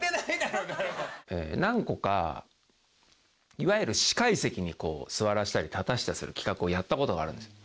いわゆる司会席に座らせたり立たせたりする企画をやった事があるんですよ。